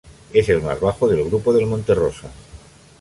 Es el más bajo del grupo del monte Rosa.